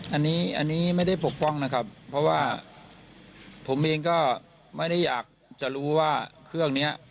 อันนี้อันนี้ไม่ได้ปกป้องนะครับเพราะว่าผมเองก็ไม่ได้อยากจะรู้ว่าเครื่องนี้